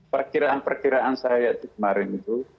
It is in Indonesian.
perkiraan perkiraan saya di kemarin itu